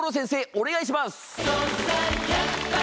お願いします！